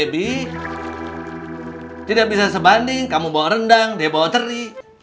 baby tidak bisa sebanding kamu bawa rendang dia bawa teri